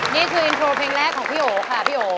นี่คืออินโทรเพลงแรกของพี่โอ๋ค่ะพี่โอ